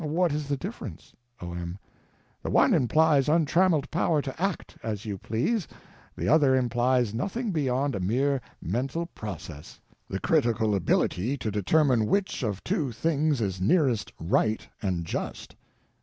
What is the difference? O.M. The one implies untrammeled power to _act _as you please, the other implies nothing beyond a mere _mental process: _the critical ability to determine which of two things is nearest right and just.